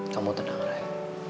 kamu tenang ray